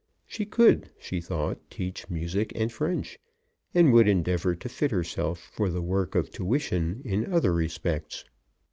She could, she thought, teach music and French, and would endeavour to fit herself for the work of tuition in other respects.